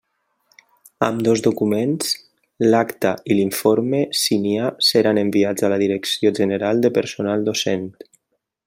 Ambdós documents, l'acta i l'informe si n'hi ha, seran enviats a la Direcció General de Personal Docent.